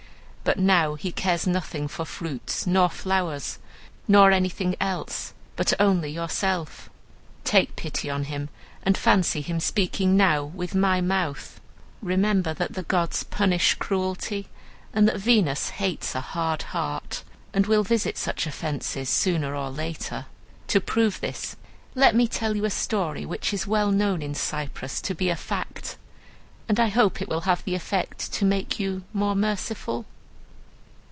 But NOW he cares nothing for fruits nor flowers, nor anything else, but only yourself. Take pity on him, and fancy him speaking now with my mouth. Remember that the gods punish cruelty, and that Venus hates a hard heart, and will visit such offences sooner or later. To prove this, let me tell you a story, which is well known in Cyprus to be a fact; and I hope it will have the effect to make you more merciful.